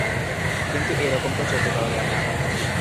কিন্তু এ রকম তো চলতে দেওয়া যায় না।